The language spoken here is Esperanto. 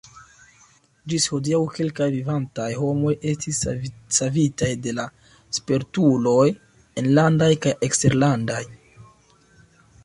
Ĝis hodiaŭ kelkaj vivantaj homoj estis savitaj de la spertuloj enlandaj kaj eksterlandaj.